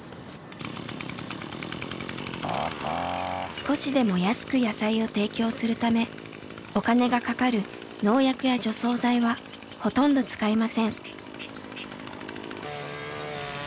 少しでも安く野菜を提供するためお金がかかる農薬や除草剤はほとんど使いません。